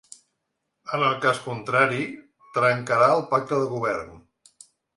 En el cas contrari, trencarà el pacte de govern.